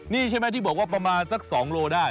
นี่ใช่ไหมที่บอกว่าประมาณสัก๒โลได้